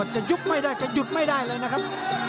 จะยุบไม่ได้จะหยุดไม่ได้เลยนะครับ